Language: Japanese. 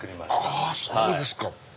あそうですか。